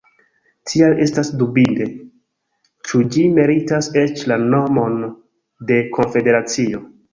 Tial estas dubinde, ĉu ĝi meritas eĉ la nomon de konfederacio.